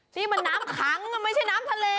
ที่มันน้ำขังไม่ใช่น้ำทะเล